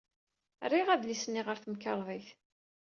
Rriɣ adlis-nni ɣer temkarḍit.